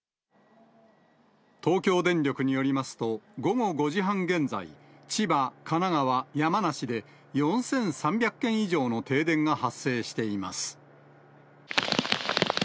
東京電力によりますと、午後５時半現在、千葉、神奈川、山梨で、４３００件以上の停電が発生しています。